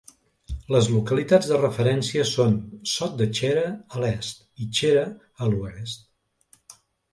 Les localitats de referència són Sot de Xera a l'est i Xera a l'oest.